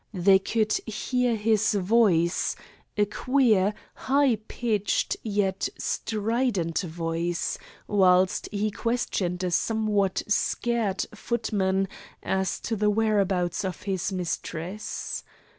They could hear his voice a queer, high pitched, yet strident voice whilst he questioned a somewhat scared footman as to the whereabouts of his mistress.